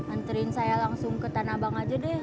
anterin saya langsung ke tanabang aja deh